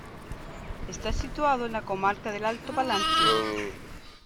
Está situado en la comarca del Alto Palancia.